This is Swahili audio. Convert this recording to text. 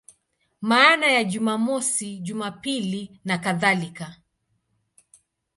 Maana ya Jumamosi, Jumapili nakadhalika.